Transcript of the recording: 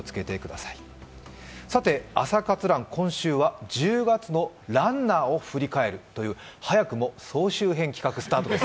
さて、「朝活ＲＵＮ」、今日は１０月のランナーを振り返るということで、早くも総集編企画スタートです。